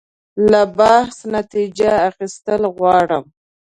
له بحث نتیجه اخیستل غواړم.